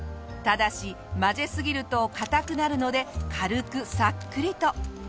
ただし混ぜすぎると硬くなるので軽くさっくりと。